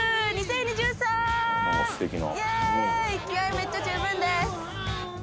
めっちゃ十分です！